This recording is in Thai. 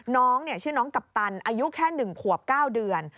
น้องชื่อน้องกัปตันอายุแค่๑ขวบ๙เดือน